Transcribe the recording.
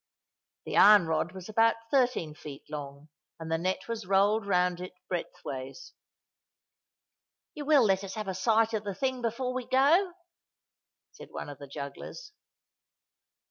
The iron rod was about thirteen feet long, and the net was rolled round it breadthways. "You will let us have a sight of the thing before we go?" said one of the jugglers.